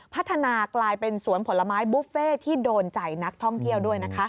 พัฒนากลายเป็นสวนผลไม้บุฟเฟ่ที่โดนใจนักท่องเที่ยวด้วยนะคะ